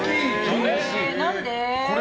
何で？